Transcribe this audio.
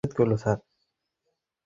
এখানে পুর্নমিলনী হচ্ছে দেখছি।